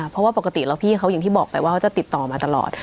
เพราะว่าปกติแบบที่บอกเพราะว่าพี่จะติดต่อมาตลอด